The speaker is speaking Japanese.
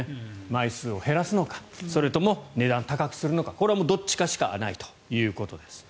枚数を減らすのかそれとも値段を高くするのかこれはどっちかしかないということです。